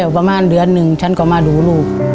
ประมาณเดือนหนึ่งฉันก็มาดูลูก